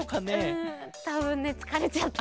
うんたぶんねつかれちゃった。